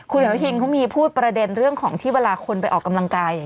คุณอาทิตย์ก็มีพูดประเด็นเรื่องที่วาลาคนไปออกกำลังกาย